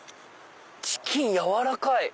チキン軟らかい。